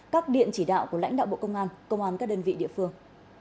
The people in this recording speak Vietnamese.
các điện chỉ đạo của lãnh đạo bộ công an công an các đơn vị địa phương